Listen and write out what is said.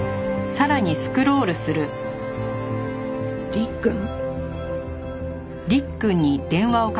「りっくん」？